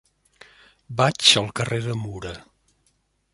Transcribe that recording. Vaig al carrer de Mura.